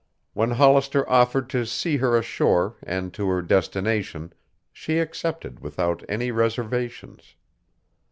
When Hollister offered to see her ashore and to her destination, she accepted without any reservations.